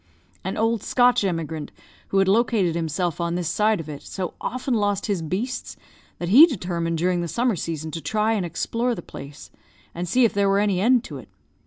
"An old Scotch emigrant, who had located himself on this side of it, so often lost his beasts that he determined during the summer season to try and explore the place, and see if there were any end to it.